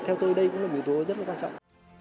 theo tôi đây cũng là một điều rất quan trọng